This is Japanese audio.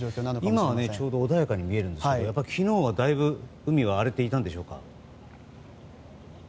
今はちょうど穏やかに見えるんですがやっぱり昨日は、だいぶ海は荒れていたんでしょうか？